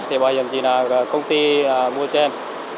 thẻ bảo hiểm thì là công ty mua cho em